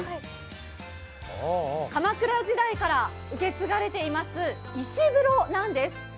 鎌倉時代から受け継がれています石風呂なんです。